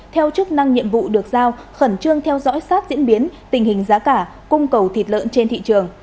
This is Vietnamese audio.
theo chức năng nhiệm vụ được giao khẩn trương theo dõi sát diễn biến tình hình giá cả cung cầu thịt lợn trên thị trường